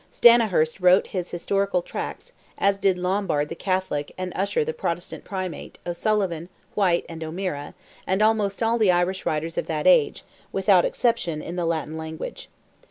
Stanihurst wrote his historical tracts, as did Lombard the Catholic and Usher the Protestant Primate, O'Sullivan, White, O'Meara, and almost all the Irish writers of that age, without exception, in the Latin language.